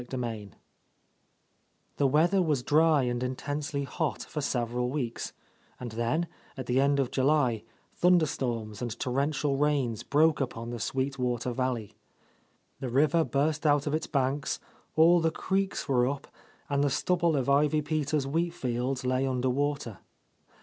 ■— 126 — IV T he weather was dry and intensely hot for several weeks, and then, at the end of July, thunder storms and torrential rains broke upon the Sweet Water valley. The river burst out of its banks, all the creeks were up, and the stubble of Ivy Peters' wheat fields lay under water.